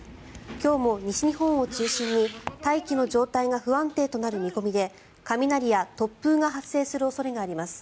今日も西日本を中心に大気の状態が不安定となる見込みで雷や突風が発生する恐れがあります。